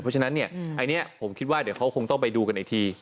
เพราะฉะนั้นผมคิดว่าเดี๋ยวเขาคงต้องไปดูกันอีกที